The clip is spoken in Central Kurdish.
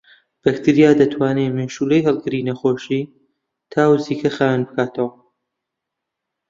بەکتریا دەتوانێت مێشولەی هەڵگری نەخۆشیی تا و زیکا خاوێن بکاتەوە